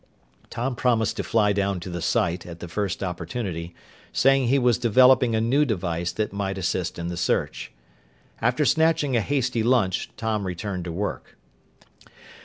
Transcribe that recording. Tom promised to fly down to the site at the first opportunity, saying he was developing a new device that might assist in the search. After snatching a hasty lunch, Tom returned to work.